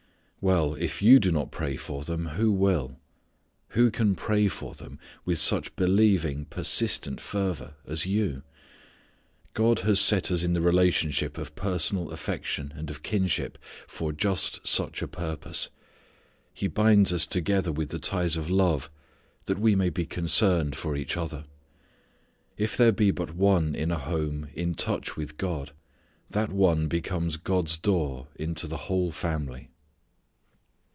Well, if you do not pray for them who will? Who can pray for them with such believing persistent fervour as you! God has set us in the relationship of personal affection and of kinship for just such a purpose. He binds us together with the ties of love that we may be concerned for each other. If there be but one in a home in touch with God, that one becomes God's door into the whole family.